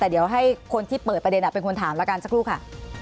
แต่เดี๋ยวให้คนที่เปิดประเด็นเป็นคนถามแล้วกันสักครู่ค่ะ